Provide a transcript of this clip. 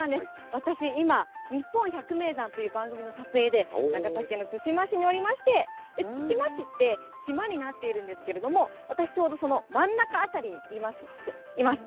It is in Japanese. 私、今、にっぽん百名山という番組の撮影で、長崎の対馬市におりまして、対馬市って島になっているんですけれども、私、ちょうどその真ん中辺りにいます。